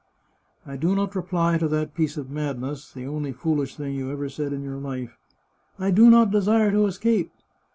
" I do not reply to that piece of madness, the only foolish thing you ever said in your life, * I do not desire to escape.'